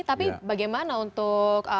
tapi bagaimana untuk